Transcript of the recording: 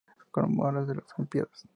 Comoras en las Olimpíadas